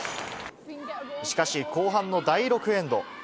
しかし、後半の第６エンド。